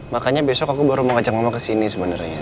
makanya besok aku baru mau ngajak mama kesini sebenarnya